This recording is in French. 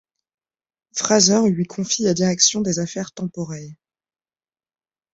Fraser lui confie la direction des affaires temporelles.